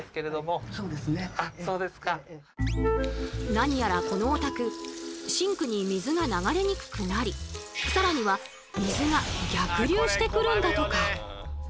何やらこのお宅シンクに水が流れにくくなり更には水が逆流してくるんだとか。